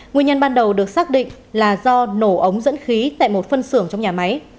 nguyên nhân ban đầu được xác định là do nổ ống dẫn khí tại một phân xưởng trong nhà máy